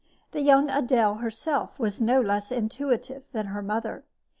The young Adele herself was no less intuitive than her mother.